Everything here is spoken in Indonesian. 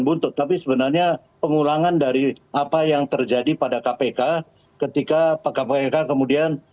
buntut tapi sebenarnya pengulangan dari apa yang terjadi pada kpk ketika pak kpk kemudian